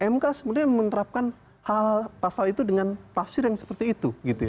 mk sebenarnya menerapkan hal pasal itu dengan tafsir yang seperti itu